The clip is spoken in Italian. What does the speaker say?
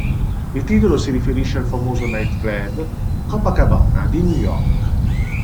Il titolo si riferisce al famoso nightclub "Copacabana" di New York.